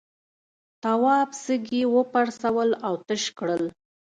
تواب سږي وپرسول او تش کړل.